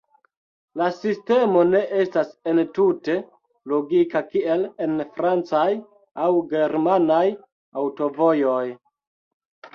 La sistemo ne estas entute logika kiel en francaj aŭ germanaj aŭtovojoj.